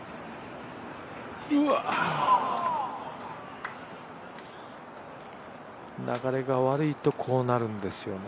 うわ流れが悪いとこうなるんですよね。